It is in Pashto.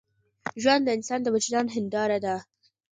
ژوند د انسان د وجدان هنداره ده.